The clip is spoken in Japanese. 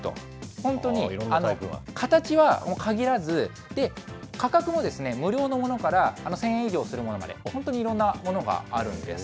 本当に、形は限らず、価格も無料のものから、１０００円以上するものまで、本当にいろんなものがあるんです。